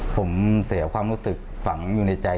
ผมเสียความรู้สึกฝังอยู่ในใจ